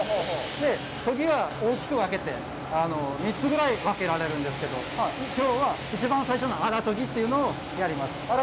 研ぎは、大きく分けて３つぐらい分けられるんですけど、きょうは一番最初の荒研ぎというのをやります。